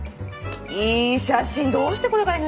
いい写真どうしてこれがＮＧなの？